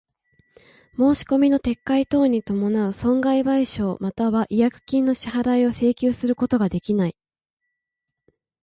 申込みの撤回等に伴う損害賠償又は違約金の支払を請求することができない。